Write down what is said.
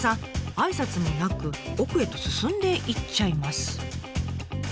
挨拶もなく奥へと進んでいっちゃいます。